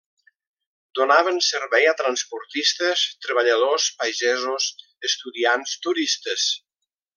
Donaven servei a transportistes, treballadors, pagesos, estudiants, turistes.